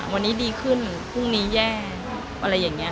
วันนี้ดีขึ้นพรุ่งนี้แย่อะไรอย่างนี้